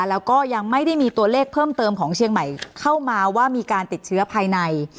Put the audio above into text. แล้วก็ยังไม่ได้มีตัวเลขเพิ่มเติมของเชียงใหม่เข้ามาว่ามีการติดเชื้อภายใน